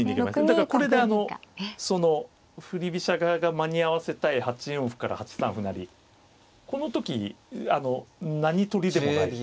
だからこれでその振り飛車側が間に合わせたい８四歩から８三歩成この時何取りでもないというね。